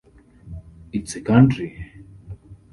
It's a country!